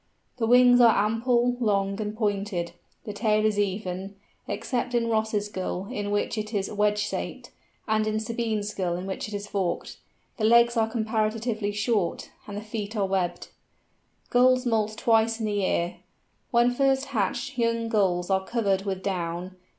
The wings are ample, long, and pointed; the tail is even, except in Ross's Gull in which it is wedge shaped, and in Sabine's Gull in which it is forked. The legs are comparatively short, and the feet are webbed. Gulls moult twice in the year. When first hatched young Gulls are covered with down.